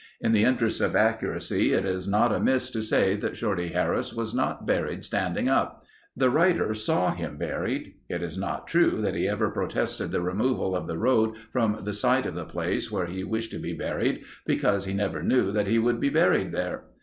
In the interest of accuracy it is not amiss to say that Shorty Harris was not buried standing up. The writer saw him buried. It is not true that he ever protested the removal of the road from the site of the place where he wished to be buried, because he never knew that he would be buried there.